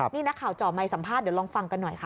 นี่นักข่าวจ่อไมคัมภาษณเดี๋ยวลองฟังกันหน่อยค่ะ